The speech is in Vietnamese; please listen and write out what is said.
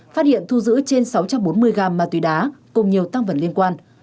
phát hiện thu giữ trên sáu trăm bốn mươi gram ma túy đá cùng nhiều tăng vật liên quan